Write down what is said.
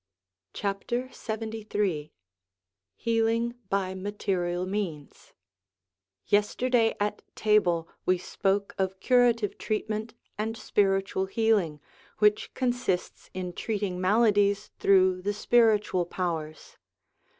LXXIII HEALING BY MATERIAL MEANS YESTERDAY at table, we spoke of curative treatment and spiritual healing, which consists in treating maladies through the spiritual powers.